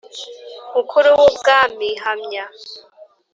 Mukuru w ubwami hamya